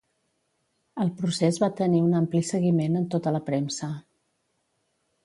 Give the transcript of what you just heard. El procés va tenir un ampli seguiment en tota la premsa.